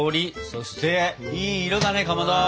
そしていい色だねかまど！